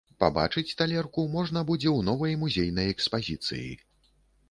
Пабачыць талерку можна будзе ў новай музейнай экспазіцыі.